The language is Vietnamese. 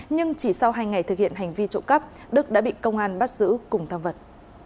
nhưng chỉ sau hai ngày thực hiện hành vi trộm cắp đức đã bị công an bắt giữ cùng tham vật